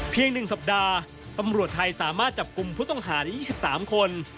๑สัปดาห์ตำรวจไทยสามารถจับกลุ่มผู้ต้องหาได้๒๓คน